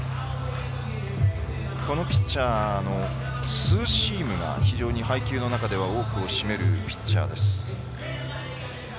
このピッチャーのツーシームが非常に配球の中で多くを占めるピッチャーです。